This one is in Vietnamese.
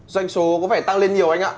doanh số có vẻ tăng lên nhiều anh ạ